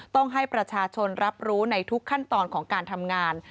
ต้องให้ประชาชนรับรู้ในทุกขั้นตอนของการทำงาน